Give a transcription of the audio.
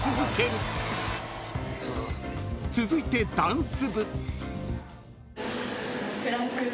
［続いてダンス部］